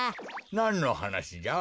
なんのはなしじゃ？